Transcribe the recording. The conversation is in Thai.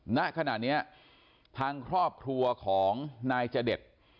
ณขณะนี้ทางครอบครัวของนายจเดช